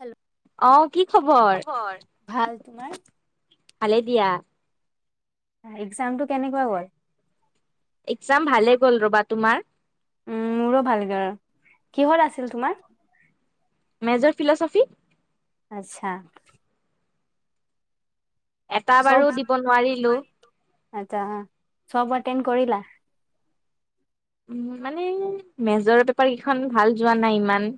Hello কি খবৰ? ভাল, তোমাৰ? ভালে দিয়া। এক্জামটো কেনেকুৱা গল? এক্জাম ভালে গ'ল ৰ'বা, তোমাৰ? কিহৰ আছিল তোমাৰ? Major, philosophy? আচ্ছা। এটা বাৰু চব, দিব নোৱাৰিলো চব এতেণ্ড কৰিলা? উম মানে মেজৰ পেপাৰ কেইখন ভাল যোৱা নাই ইমান।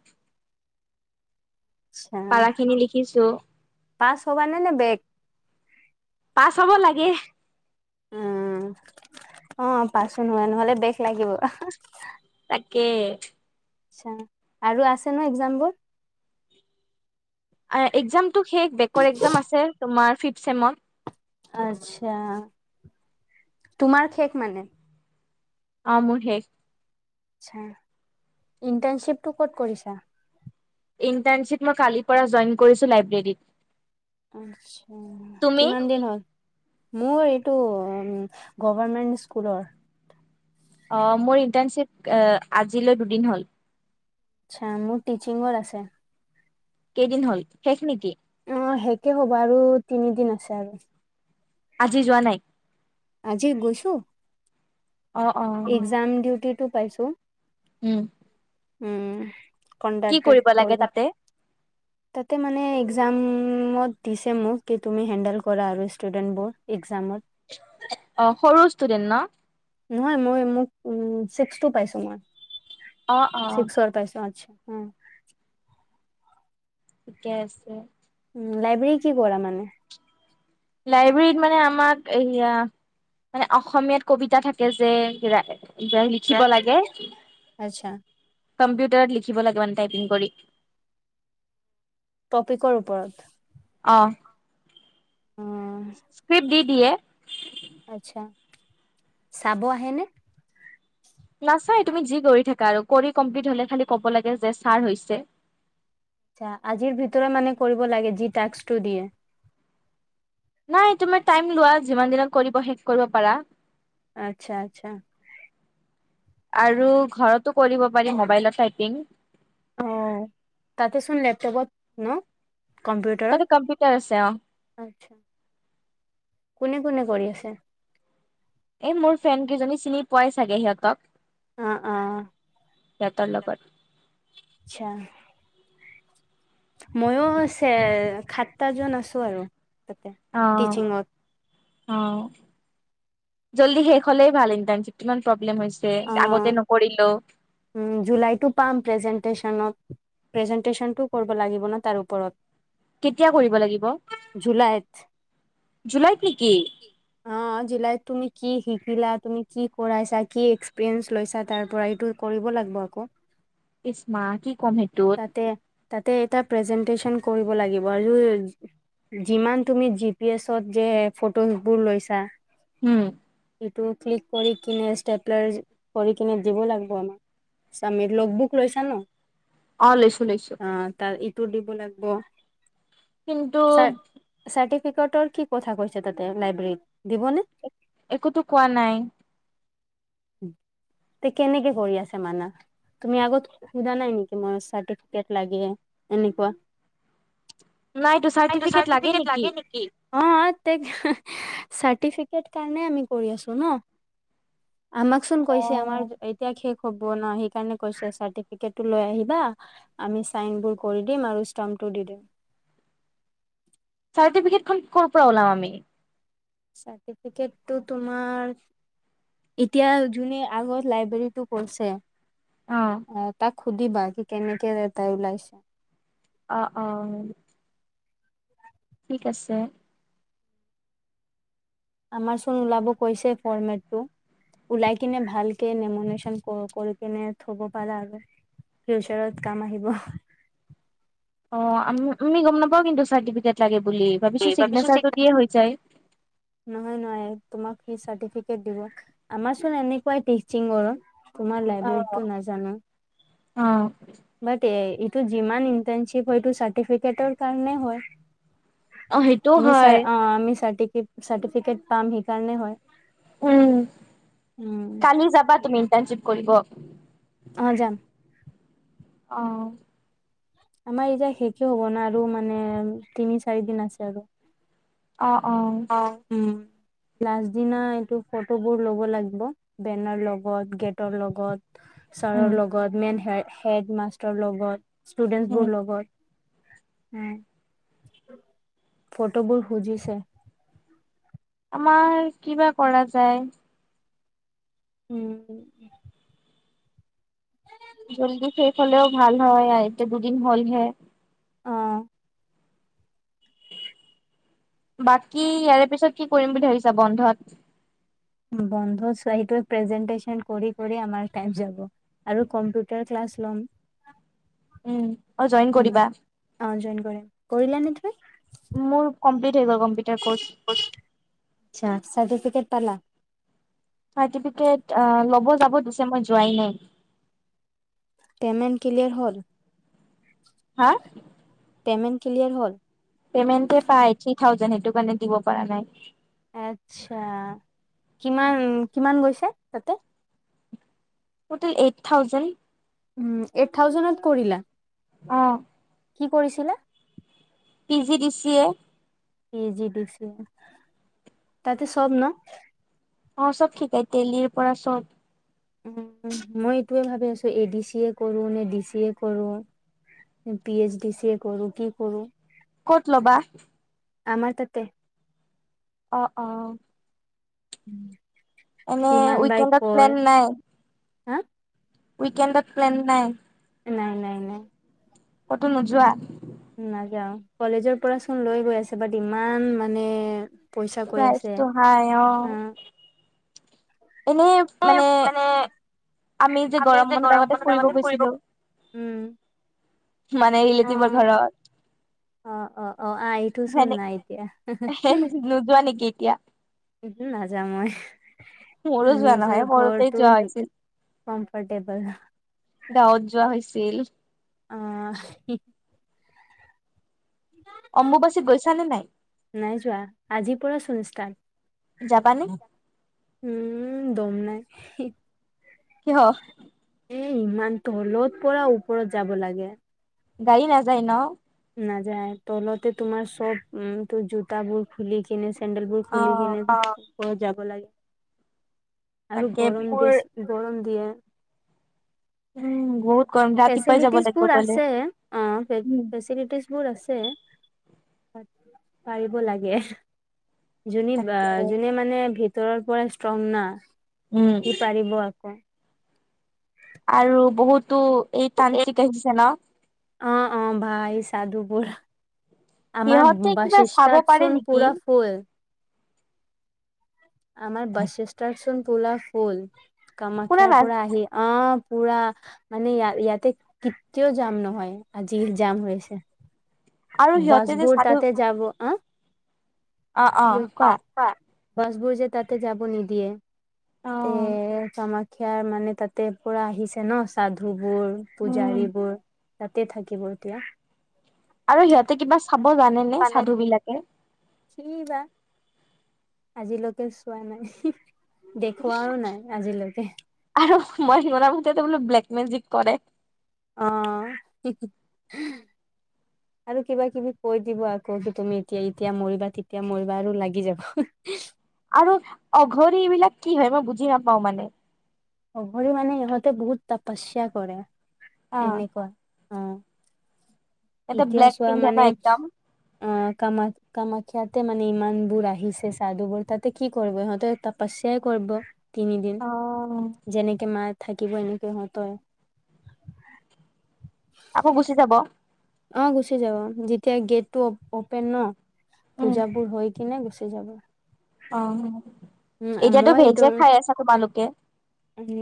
আচ্ছা পাৰা খিনি লিখিছো পাছ হবা নে বেক? পাছ হব লাগে। উম অ', পাছ [unintelligible] বেক লাগিব। তাকে। আৰু আছে ন এক্জামবোৰ? একজামটো শেষ, বেকৰ এক্জাম আছে তোমাৰ ফিফট চেমৰ। আচ্ছা, তোমাৰ শেষ মানে? অ', মোৰ শেষ। আচ্ছা। ইণ্টাৰ্ণশ্বিপটো ক'ত কৰিছা? ইণ্টাৰনশিপ মই কালি পৰা জইন কৰিছোঁ লিব্ৰে আচ্ছা। কিমান দিন হ'ল? মোৰ টো গভৰ্মেন স্কুলৰ। অ', মোৰ ইণ্টাৰ্ণশ্বিপ আজিলৈ দুদিন হ'ল। আচ্ছা মোৰ টিচিঙৰ আছে। কেই দিন হল, শেষ নেকী? অহ', শেষেই হ'ব আৰু তিনিদিন আছে আৰু। আজি যোৱা নাই? আজি গৈছো। অ অ একজাম দিওতেটো পাইছো। উম। উম। কি কণ্ডাক্টেদ লাগে কৰিব। তাতে তাতে মানে একজাম উম, মত দিছে মোক কি তুমি হেণ্ডেল কৰা আৰু ষ্টুডেন্ট বোৰ একজামত। অহ, সৰু ষ্টুডেন্ট ন? নহয় মই মোক উম, ছিক্সটো পাইছো মই। অ অ ছিক্সৰ পাইছ, অহ, আচ্ছা। উম। ঠিকেই আছে। উম, লাইব্ৰেৰী কি কৰা মানে? লাইব্ৰেৰীত মানে আমাক এয়া মানে অসমীয়াত কবিতা থাকে যে। লিখিব লাগে। আচ্ছা কম্পিউটাৰত লিখিব লাগোনে টাইপিং কৰি। টপিকৰ ওপৰত। অহ অ', ', স্ক্ৰিপ্ট দি দিয়ে। আচ্ছা চাব আহ আহেনে? নাচাই তুমি যি কৰি থাকা আৰু কৰি কমপ্লিট হলে খালি ক'ব লাগে যে ছাৰ হৈছে। আচ্ছা আজিৰ ভিতৰত মানে কৰিব লাগে যি ট ট টাস্কটো দিয়ে। নাই তুমাৰ টাইম লোৱা যিমান দিনত কৰিব শেষ কৰিব পাৰা। আচ্ছা - আচ্ছা। আৰু ঘৰতো কৰিব পাৰি মোবাইলত টাইপিঙ। অহ ', তাতে চোন লেপটপত ন? তাতে কম্পিউটাৰত, কম্পিউটাৰ আছে অ আচ্ছা, কোন কোনে কৰি আছে? এ মোৰ ফ্ৰেন কেইজনী চিনি পোৱাই চাগে সিহঁতক। অহ - অহ। সিহতৰ লগত। ময়ো ছে খাট্টাাজ আছো আৰু। ত টিচিংত। অহ ', জল্দি শেষ হলেই ভাল এন্তান কিমান প্ৰব্লেম হৈছে আগতে অহ নকৰিলো ', উম, জুলাইতো পাম প্ৰেজেন্টেচনত। প্ৰেজেন্টেশ্যনটো কৰিব লাগিব ন তাৰ ওপৰত। কেতিয়া কৰিব লাগিব, জুলাইত জুলাইত নেকি? অ' জুলাইত তুমি কি শিকিলা, তুমি কি কৰাইছা কি এক্সপিৰিয়েঞ্চ লৈছা তাৰ পৰা এইটো কৰিব লাগিব আকৌ। ইচ্মা কি ক'ম সেইটোত। তাতে তাতে এটা প্ৰেজেন্টেচন কৰিব লাগিব, আৰু, যিমান তুমি জি পি এছত যে ফটো বোৰ লৈছা। উম। সিটো ক্লিক কৰি কিনে ষ্টেটলাৰ কৰি কিনে দিব লাগিব, আমাৰ আমি লগ বুক লৈছা ন? অ' লৈছো লৈছো। ত দিব লাগিব। কিন্তু ক্ৰিকটৰ কি কথা কৈছে তাতে? লাইব্ৰেৰীত, দিবনে? একোটো কোৱা নাই তে কেনেকে কৰি আছে মানা, তুমি আগত সোধা নাই নেকি? মই চাৰ্টিফিকেট লাগে এনেকুৱা চাৰৰ্টিফিকেট লাগে নেকি? অ তে চাৰ্টিফিকেট কাৰণে আমি কৰি আছো ন আমাকচোন অ কৈছে আমাৰ এতিয়া খে হ'ব ন, সেইকাৰণ কৈছে চাৰ্টিফিকেট লৈ আহিবা আমি চাইন বোৰ কৰি দিম আৰু ষ্টাম্পটো দি দিম চাৰ্টিফিকেট খন ক'ৰ পৰা ওলাম আমি? চাৰ্টিফিকেটটো তোমাৰ, এতিয়া যোনে আগত লাইব্ৰেৰীটো কৰিছে অ', তাক সুধিবা কি কেনেকে এ তাই ওলাইছে অ', অ'। ঠিক আছে। আমাৰ চোন ওলাব কৈছে ফৰৰ্মেটটো। ওলাই কিনে ভালকে নেমুলেচন কৰি কিনে থব পাৰা আৰু ফিউচাৰত কাম আহিব। অ', আম আমি গম নাপাও কিন্তু চাৰ্টিফিকেট লাগে বুলি ভাবিছোঁ ভাবিছো চিক চিগনেচাৰটো দিয়ে হৈ যায় নহয় নহয় তোমাক কি চাৰ্টিফিকেট দিব আমাৰ চোনএনেকুৱাই [unintelligible] তোমাৰ অ লাইব্ৰেৰীতটো নাজানো অ', টো যিমান ইণ্টাৰ্নশ্বিপ হয়টো চাৰ্টিফিকেটৰ কাৰণে হয় অ সেইটোও আমি হয় চাৰ অ', আমি চাৰৰ্টি চাৰ্টিফিকেট পাম, সেইকাৰণেও হয়। উম, উম কালি যাবা তুমি ইণ্টাৰ্নশ্বিপ? কৰিব অ', যাম। অ'। আমাৰ এতিয়া শেষে হ'ব না আৰু মানে, তিনি-চাৰি দিন আছে আৰু অ উম। লাষ্ট দিনা এইটো ফটোবোৰ ল'ব লাগিব বেনাৰ লগত গেটৰ লগত। উম ছাৰৰ লগত মেন হে। হেড মাষ্টৰৰ লগত। ষ্টুডেন্টছ বোৰৰ লগত। উম ফটোবোৰ সুজিছে। [inaudible] আমাৰ কিবা কৰা যায়। উম। যল্দি শেষ হলেও ভাল হয় এতিয়া দুদিন হলহে। অ বাকী ইয়াৰে পিছত কি কৰিম বুলি ভাবিছা বন্ধত? বন্ধত চোৱা প্ৰেজেণ্টেছন কৰি কৰি আমাৰ টাইম যাব আৰু কম্পিউটাৰ ক্লাছ লম। উম অ জইন উম কৰিবা অ জইন কৰিম, কৰিলা নে তুমি? মোৰ [unintelligible] চাৰ্টিফিকেট পালা? চাৰ্টিফিকেট ল'ব যাব দিছে মই যোৱাই নাই। পেমেণ্ট ক্লিয়াৰ হ'ল? হা। পেমেণ্ট ক্লিয়াৰ হ'ল? পেমেণ্টয়ে পায় থ্ৰী থাউজেণ্ড সেইটো কাৰণে দিব পৰা নাই। আচ্ছা, কিমান কিমান গৈছে তাতে? Total eight thousand. উম এইট থাউজেণ্ডত কৰিলা? অ। কি কৰিছিলা। পিজিডিচিএ। পিজিডিচিএ তাতে চব নহ। অ চব শিকাই তেলিৰ পৰা চব। উ মই এইটোৱে ভাবি আছো এডিচিএ কৰোঁ নে ডিচিএ কৰো পিএইচডিচি এ কৰোঁ কি কৰোঁ। ক'ত ল'বা? আমাৰ তাতে। অঁ অঁ। উম। এনে উইকেণ্ডত প্লেন নাই? হা। উইকেণ্ডত প্লেন নাই? নাই নাই নাই। ক'তো নোযোৱা? নাযাও কলেজৰ পৰাচোন লৈ গৈ আছে বাট ইমান মানে। পইচা কৈ আছে প্ৰাইজটো হাই অ। হা এনেই মানে। আমি যে গৰম বন্ধত ফুৰিব মানে ৰিলেটিভৰ ঘৰত অ অ অ অ এইটোচোন সেনে নাই সেই এতিয়া। নোযোৱা নেকি এতিয়া উহু নাযাও মই। মোৰো যোৱা নহয়। সৰুতেই যোৱা হৈছিল। কম্ফৰ্টেবল। গাঁৱত যোৱা হৈছিল। অ'। অম্বুবাচীত গৈছানে নাই নাই যোৱা। আজি পৰা, যাবানে [unintelligible] উম, দম নাই। [unintelligible] কিয়? এ ইমান তলত পৰা ওপৰত যাব লাগে গাড়ী নাযায় ন? নাযায়। তলতে তোমাৰ চব উম, তোৰ জোতাবোৰ খুলি কিনে চেণ্ডেল বু অ খুলি কিনে, অ' অ' যাব লাগে আৰু তাকে গৰম মোৰ দিছ, গৰম দিয়ে [inaudible] উম বহুত গৰম, ৰাতিপুৱাই যাব ফেচিলিটিজ বোৰ লাগিব গলে আছে অ ফেচিলিটিজ বোৰ আছে পাৰিব লাগে। যোনি বা তাকে যোনে মানে ভি ভিতৰৰ পৰাই ষ্ট্ৰং না উম সি পাৰিব আকৌ আৰু বহুতো এই তান্ত্ৰিক আহিছে ন অ' অ' ভাই সাধু বোৰ আমাৰ সিহঁতে কিবা চাব বাশিষ্ঠ পাৰে চোন নেকি পুৰা ফুল আমাৰ বশিষ্ঠ চোন পুৰা ফুল শুনা কামাখ্যাৰ না পৰা আহি অ' পুৰা মানে, ইয়া-ইয়াতে কেতিয়াও জাম নহয়, আজি জাম হৈছে। আৰু সিহঁতে যে বাছবোৰ সাধু তাতে যাব, আ [unintelligible] অ', কোৱা বাছবোৰ যে তাতে যাব নিদিয়ে তে, ত', মই [unintelligible] মানে তাতে পুৰা আহিছে ন' চাধু বোৰ, উম পুজাৰীবোৰ তাতে থাকিব এতিয়া। আৰু সিহঁতে কিবা চাব জানেনে? মানে চাধু বিলাকে? [unintelligible] আজিলৈকে চোৱা নাই দেখুৱাও নাই আজিলৈকে আৰু মই কৰা মতেতো বোলো ব্লেক মেজিক কৰে। অ, আৰু কিবা কিবি কৈ দিব আকৌ কি তুমি এতিয়া এতিয়া মৰিবা তেতিয়া মৰিবা আৰু লাগি যাব আৰু অঘৰী বিলাক কি হয় মই বুজি নাপাও মানে অঘৰি মানে ইহঁতে বহুত তাপচ্যা কৰে। অ এনেকুৱা অ এটা এতিয়া ব্লেক চোৱা পিন্ধে ন মানে একদম অ কামত কামাখ্যাতে মানে ইমান বোৰ আহিছে সাদু বোৰ তাতে কি কৰিব সিহঁতে তাপচ্যাই কৰিব। তিনিদিন। অ যেনেকে মা থাকিব এনেকে ইহঁতৰ আকৌ গুচি যাব। অ, গুচি যাব যেতিয়া গেটটো অপেন ন। উম পূজাবোৰ হৈ কিনে গুচি যাব। অ উম এতিয়াতো মই এইটো ভেজে খাই আছা তোমালোক? তে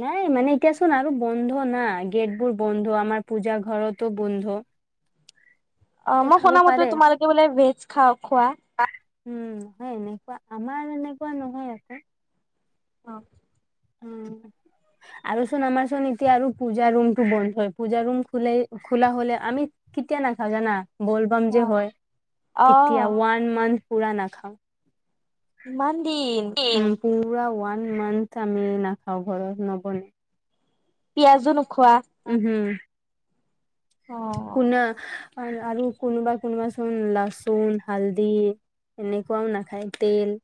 নাই মানে এতিয়াচোন আৰু বন্ধ না গেটবোৰ বন্ধ আমাৰ পূজা ঘৰতো বন্ধ। অ তে মই খাব শুনা মতে পাৰে। তোমালোকে বোলে ভেজ খাওঁ, খোৱা? উম হয় এনেকুৱা আমাৰ এনেকুৱা নহয় আক। অ। উম আৰু চোন আমাৰ চোন এতিয়া আৰু পূজা ৰুমটো বন্ধ হয়। পূজা ৰুম খুলেই খুলা হলে আমি কেতিয়া নাখাও জানা। বলবাম যে হয় অ তেতিয়া ৱান মান্থ পুৰা নাখাওঁ। ইমান দিন [unintelligible] পুৰা ওৱান মান্থ আমি নাখাওঁ ঘৰত নবনে। পিয়াজো নোখোৱা? উহু, অ শুনা আৰু কোনোবা কোনোবাচোন লাচুন, হালদি এনেকুৱাও নাখায় তেল।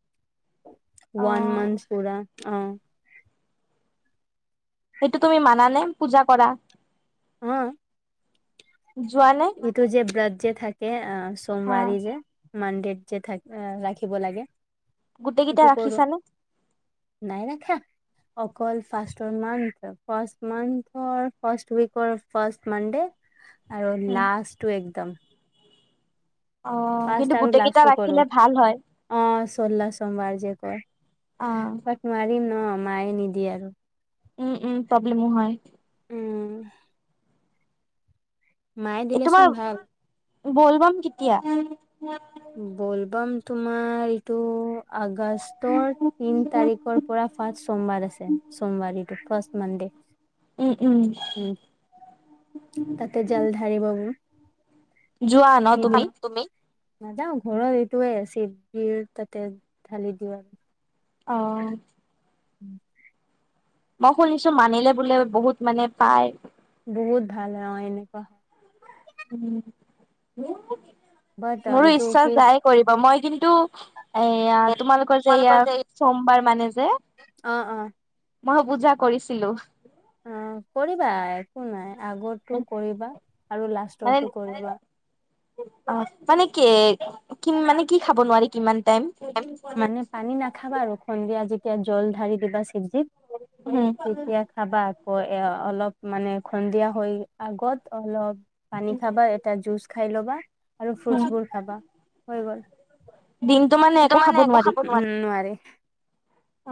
অ ৱান মান্থ পুৰা। অ'। এইটো তুমি মানা নে, পূজা কৰা? হা। যোৱা নে সেইটো যে ব্ৰাত যে থাকে, আ অ সোমবাৰে যে মানডেড যে থাকে, আ, ৰাখিব লাগে গোটেইকেইটা ইটো কৰো ৰাখিছানে? নাই ৰাখা অকল ফাৰ্ষ্টৰ মান্থ, ফাৰ্ষ্ট মান্থৰ, ফাৰ্ষ্ট উইকৰ, ফাৰ্ষ্ট মানডে, আ লাষ্টটো একদম। অ', ফাৰ্ষ্ট কিন্তু আৰু গোটেইকেইটা ৰাখিলে ভাল হয়। চোল্লা সোমবাৰ যে কয় অ বাট নোৱাৰিম ন মায়ে নিদিয়ে আৰু উম, উম প্ৰব্লেমো হয় উম, মায়ে এই তোমাৰ দিলেচোন ভাল। বলবম কেতিয়া? বলবাম তোমাৰ এইটো আগ আগষ্টৰ তিন তাৰিখৰ পৰা ফাৰ্ষ্ট সোমবাৰ আছে। চোমবাৰিটো ফাৰ্ষ্ট মানডে। উম উম উম, তাতে জল ঢালিব যোৱা ন তুমি? নিদিয়ে নাযাওঁ ঘৰৰ এইটোৱে শিৱজীৰ তাতে ঢালি দিওঁ আৰু। অ', [inaudible] মই শুনিছোঁ, মানিলে বোলে বহুত মানে পাই বহুত ভাল অ', এনেকুৱা বাট [inaudible] মোৰো এইটো ইচ্ছা কি যাই কৰিব মই কিন্তু এয়া তোমালোকৰ যে ইয়া সোমবাৰ মানে যে অ অ মই পূজা কৰিছিলো। অ', কৰিবা একো নাই। আগৰটো কৰিবা আৰু মানে লাষ্টৰটো কৰিবা। অ' মানে কি কি মানে, কি খাব নোৱাৰি কিমান টাইম মানে পানী নাখাবা আৰু। সন্ধিয়া যেত যেতিয়া জল ঢালি দিবা যে শিৱজীক, উম তেতিয়া খাবা আকৌ এ অলপ মানে সন্ধিয়া হৈ আগত অলপ। পানী খাবা এটা জুচ। খাই ল'বা। আৰু উম ফ্ৰুটছবোৰ খাবা, হৈ গ'ল। দিনটো মানে একো খাব নোৱাৰি? উম, নোৱাৰে। অ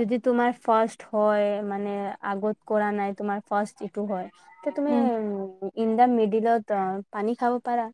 যদি তোমাৰ ফাৰ্ষ্ট হয়, মানে আগত কৰা নাই তোমাৰ ফাৰ্ষ্ট ইটো হয়। তিয়া উম তুমি ইণ্ডা মিডি'লত পানী খাব পাৰা।